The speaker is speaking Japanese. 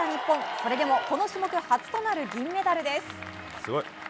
それでもこの種目初となる銀メダルです。